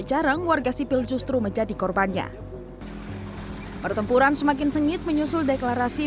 jarang warga sipil justru menjadi korbannya pertempuran semakin sengit menyusul deklarasi